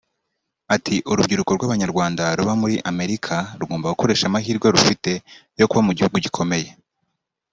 Ati “ Urubyiruko rw’Abanyarwanda ruba muri Amerika rugomba gukoresha amahirwe rufite yo kuba mu gihugu gikomeye